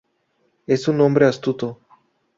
Es un hombre astuto.